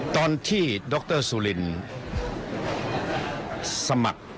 ตอนที่ดรสุรินสมัคร